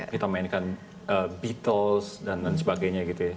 kita mainkan beatles dan lain sebagainya gitu ya